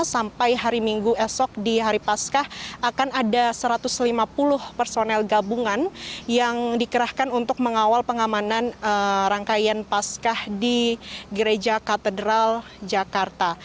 sampai hari minggu esok di hari paskah akan ada satu ratus lima puluh personel gabungan yang dikerahkan untuk mengawal pengamanan rangkaian pascah di gereja katedral jakarta